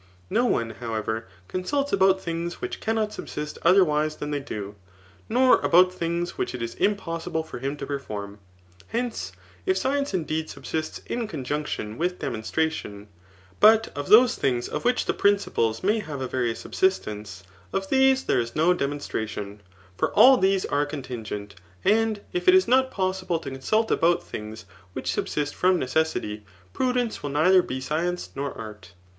No one, however, consults about things which cannot subsist otherwise than they do, nor about things which it is impossible for him to perform. Hence, if science indeed subsists in conjunction with demonstra tion ; but of those things of which the principles may . have a various subsistence, of these there is no demon* stration ; for all these are contingent ; and if it is not possible to consult about things which subsist from ne cessity, prudence will neither be science nor art.